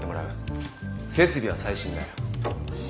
設備は最新だ。